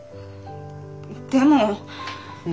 でも。